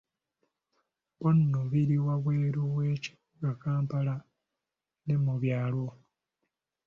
Bono biri wabweru we kibuga Kampala ne mu byalo.